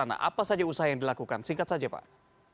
apa saja usaha yang dilakukan singkat saja pak